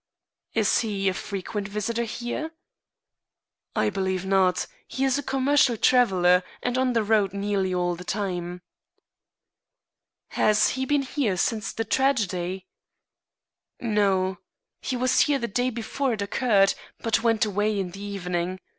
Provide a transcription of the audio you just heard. "Is he a frequent visitor here?" "I believe not. He is a commercial traveler, and on the road nearly all the time." "Has he been here since the tragedy?" "No. He was here the day before it occurred, but went away in the evening.